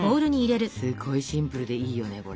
すごいシンプルでいいよねこれ。